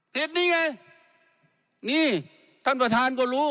ติดนี่ไงนี่ท่านประธานก็รู้